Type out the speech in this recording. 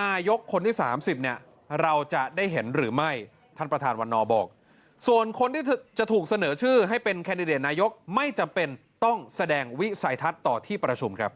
นายกคนที่๓๐เนี่ยเราจะได้เห็นหรือไม่ท่านประธานวันนอบอกส่วนคนที่จะถูกเสนอชื่อให้เป็นแคนดิเดตนายกไม่จำเป็นต้องแสดงวิสัยทัศน์ต่อที่ประชุมครับ